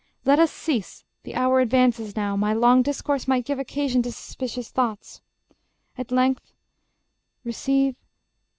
Let us cease: The hour advances now; my long discourse Might give occasion to suspicious thoughts. At length receive